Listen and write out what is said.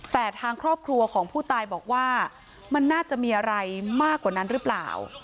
แต่ทางครอบครัวของผู้ตายบอกว่ามันน่าจะมีอะไรมากกว่านั้นหรือเปล่า